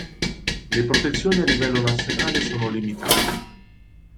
Le protezioni a livello nazionale sono limitate.